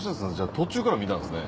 途中から見たんですね。